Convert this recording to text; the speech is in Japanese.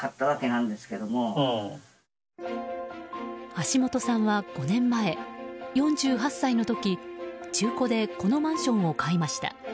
橋本さんは５年前、４８歳の時中古でこのマンションを買いました。